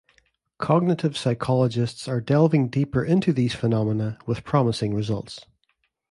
Cognitive psychologists are delving deeper into these phenomena with promising results.